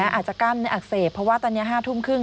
อาจจะกล้ามเนื้ออักเสบเพราะว่าตอนนี้๕ทุ่มครึ่ง